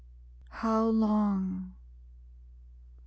How long?